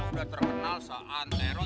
udah terkenal seantara